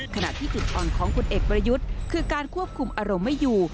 ขณะที่จุดอ่อนของผลเอกประยุทธ์คือการควบคุมอารมณ์ไม่อยู่